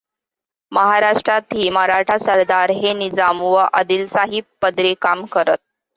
महाराष्ट्रातही मराठा सरदार हे निजाम व अदिलशाही पदरी काम करत.